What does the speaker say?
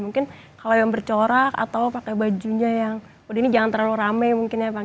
mungkin kalau yang bercorak atau pakai bajunya yang udah ini jangan terlalu rame mungkin ya bang